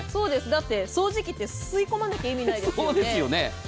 だって掃除機って吸い込まなきゃ意味ないですよね。